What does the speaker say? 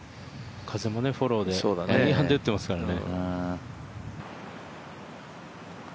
風もフォローでアイアンで打ってますからね。